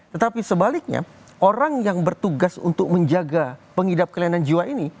tetapi sebaliknya orang yang bertugas untuk menjaga pengidap kelainan jiwa ini